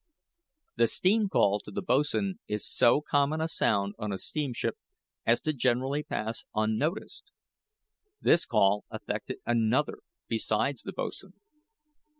The steam call to the boatswain is so common a sound on a steamship as to generally pass unnoticed. This call affected another besides the boatswain.